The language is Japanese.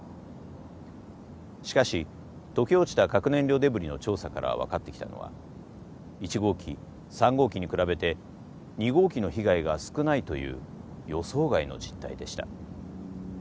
しかし溶け落ちた核燃料デブリの調査から分かってきたのは１号機３号機に比べて２号機の被害が少ないという予想外の実態でした。